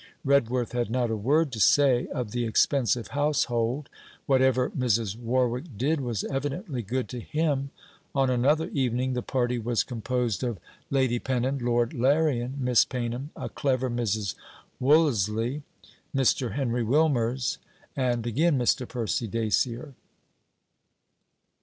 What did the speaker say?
Redworth had not a word to say of the expensive household. Whatever Mrs. Warwick did was evidently good to him. On another evening the party was composed of Lady Pennon, Lord Larrian, Miss Paynham, a clever Mrs. Wollasley, Mr. Henry Wilmers, and again Mr. Percy Dacier.